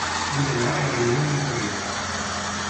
Vull anar a Granyena de les Garrigues